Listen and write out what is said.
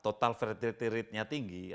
total fertility rate nya tinggi